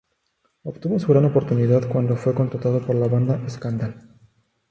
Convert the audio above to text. Obtuvo su gran oportunidad cuando fue contratado por la banda Scandal.